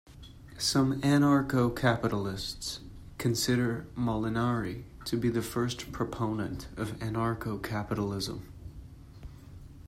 Some anarcho-capitalists consider Molinari to be the first proponent of anarcho-capitalism.